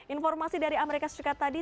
informasi dari amerika serikat tadi